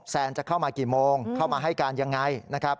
๒แซนจะเข้ามากี่โมงเข้ามาให้การอย่างไร